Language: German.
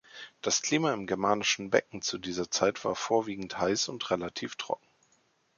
Das Klima im Germanischen Becken zu dieser Zeit war vorwiegend heiß und relativ trocken.